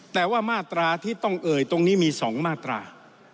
แต่ว่ามาตราที่ต้องเอ่ยตรงนี้มี๒มาตรา